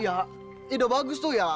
ya ide bagus tuh ya